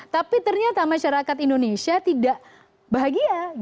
tapi ternyata masyarakat indonesia tidak bahagia